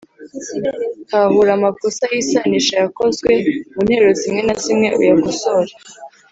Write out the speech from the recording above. tahura amakosa y’isanisha yakozwe mu nteruro zimwe na zimwe uyakosore.